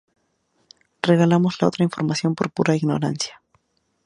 Regalamos otra información por pura ignorancia